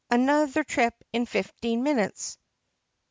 Anothuh trip in fifteen minutes!"